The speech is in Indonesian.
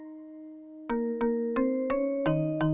ini mbak mbak ketinggalan